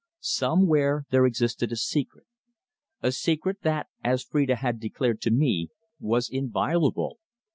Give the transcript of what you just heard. Somewhere there existed a secret a secret that, as Phrida had declared to me, was inviolable.